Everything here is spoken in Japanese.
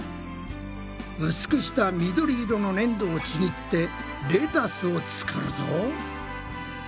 うすくした緑色のねんどをちぎってレタスを作るぞ。